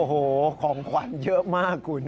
โอ้โหของขวัญเยอะมากคุณ